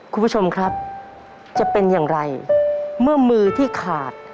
คุณผู้ชมครับจะเป็นอย่างไรเมื่อมือที่ขาด